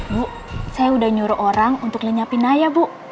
bu saya udah nyuruh orang untuk lenyapin naya bu